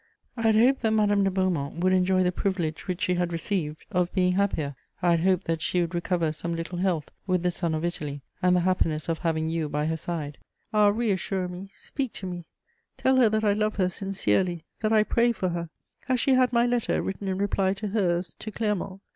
I had hoped that Madame de Beaumont would enjoy the privilege which she had received, of being happier; I had hoped that she would recover some little health with the sun of Italy and the happiness of having you by her side. Ah, reassure me, speak to me; tell her that I love her sincerely, that I pray for her! Has she had my letter written in reply to hers to Clermont?